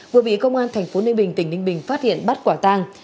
vừa bị công an tp ninh bình tỉnh ninh bình phát hiện bắt quả tang